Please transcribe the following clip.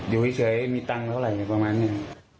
อยู่เฉยมีตังค์เท่าไหร่ประมาณนี้